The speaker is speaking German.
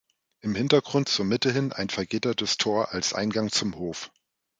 Im Hintergrund zur Mitte hin ein vergittertes Tor als Eingang zum Hof.